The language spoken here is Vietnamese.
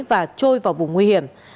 và trôi vào vùng nguy hiểm